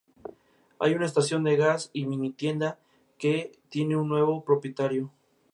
Hay una estación de gas y mini-tienda que tiene un nuevo propietario.